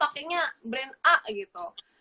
pakainya brand a gitu